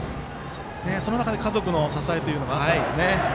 その中で家族の支えというのがあったんですね。